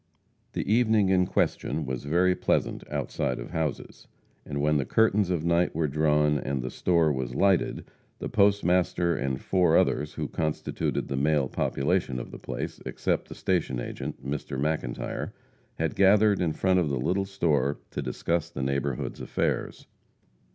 The evening in question was very pleasant outside of houses, and when the curtains of night were drawn, and the store was lighted, the postmaster and four others, who constituted the male population of the place, except the station agent, Mr. McIntire, had gathered in front of the little store to discuss the neighborhood's affairs.